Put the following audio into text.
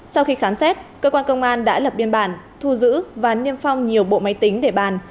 sau khi khám xét cơ quan công an đã lập biên bản thu giữ và niêm phong nhiều bộ máy tính để bàn